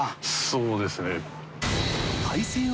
そうですね。